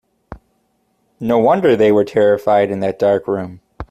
No wonder they were terrified in that dark room.